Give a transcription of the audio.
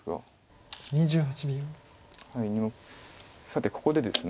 さてここでです。